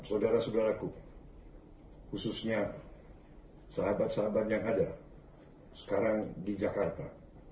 saudara saudaraku khususnya sahabat sahabat yang ada sekarang di jakarta